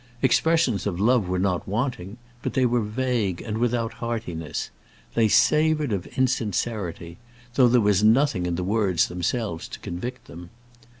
Expressions of love were not wanting, but they were vague and without heartiness. They savoured of insincerity, though there was nothing in the words themselves to convict them.